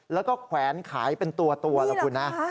แล้วก็แขวนขายเป็นตัวละคุณนะ